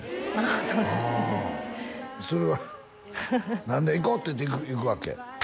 あそれは何で「行こう！」っていって行くわけ？